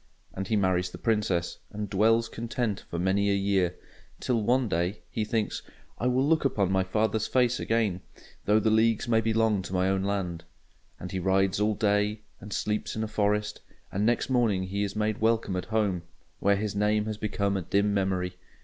And he marries the Princess, and dwells content for many a year; till one day he thinks "I will look upon my father's face again, though the leagues be long to my own land." And he rides all day, and sleeps in a forest; and next morning he is made welcome at home, where his name has become a dim memory.